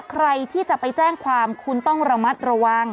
ใครที่จะไปแจ้งความคุณต้องระมัดระวัง